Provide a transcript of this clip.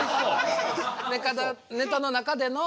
ネタの中での。